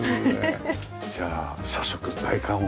じゃあ早速外観を。